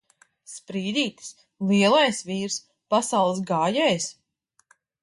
Sprīdītis! Lielais vīrs! Pasaules gājējs!